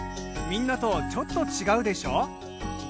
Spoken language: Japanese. みんなとちょっと違うでしょ？